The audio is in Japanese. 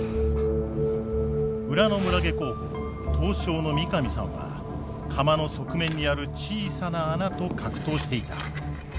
裏の村下候補刀匠の三上さんは釜の側面にある小さな穴と格闘していた。